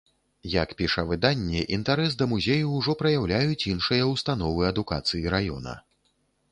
Як піша выданне, інтарэс да музею ўжо праяўляюць іншыя ўстановы адукацыі раёна.